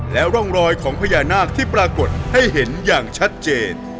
ร่องรอยของพญานาคที่ปรากฏให้เห็นอย่างชัดเจน